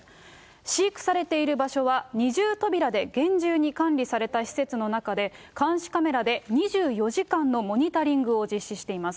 飼育されている場所は二重扉で厳重に管理された施設の中で、監視カメラで２４時間のモニタリングを実施しております。